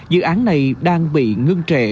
dự án này đang bị ngưng trệ